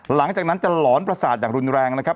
หลังจากนั้นจะหลอนประสาทอย่างรุนแรงนะครับ